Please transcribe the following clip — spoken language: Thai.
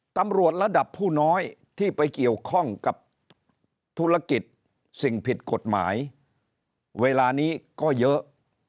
ตำรวจระดับผู้น้อยที่ไปเกี่ยวข้องกับธุรกิจสิ่งผิดกฎหมายเวลานี้ก็เยอะ